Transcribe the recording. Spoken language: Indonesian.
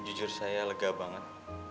jujur saya lega banget